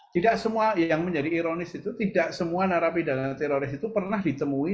tidak semua yang menjadi ironis itu tidak semua narapidana teroris itu pernah ditemui